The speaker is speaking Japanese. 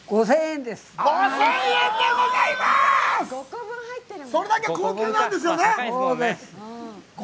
５０００円ですよ。